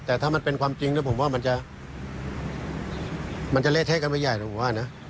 แต่ถ้ามันเป็นความจริงแล้วผมว่ามันจะเละเทะกันไปใหญ่นะผมว่านะ